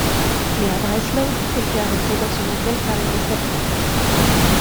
Mais à Breslau, il fut arrêté dans son hôtel par la Gestapo.